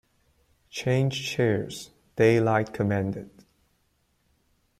Change chairs, Daylight commanded.